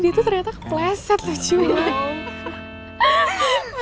dia tuh ternyata kepleset lucunya